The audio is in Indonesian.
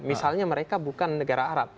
misalnya mereka bukan negara arab